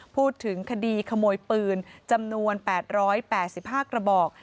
พูดถึงคดีขโมยปืนจำนวน๘๘๕กระบอก